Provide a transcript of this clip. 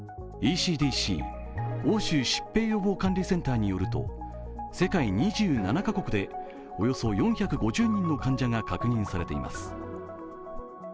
ＥＣＤＣ＝欧州疾病予防管理センターによると、世界２７カ国でおよそ４５０人の患者が確認されています。